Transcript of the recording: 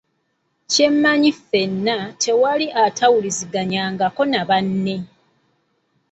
Kyemmanyi ffena tewali atawuliziganyangako na banne.